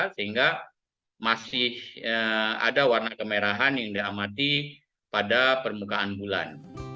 sehingga masih ada warna kemerahan yang diamati pada permukaan bulan